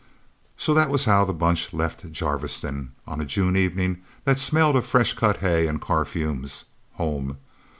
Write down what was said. So that was how the Bunch left Jarviston, on a June evening that smelled of fresh cut hay and car fumes home.